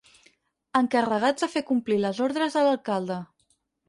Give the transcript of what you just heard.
Encarregats de fer complir les ordres de l'alcalde.